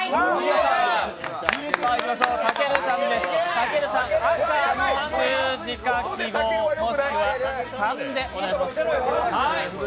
たけるさん赤の数字か記号もしくは３でお願いします。